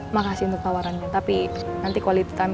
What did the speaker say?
makasih untuk tawarannya tapi nanti quality time